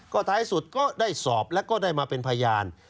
ก็ท้ายสุดก็ได้สอบแล้วก็ได้มาเป็นพยาน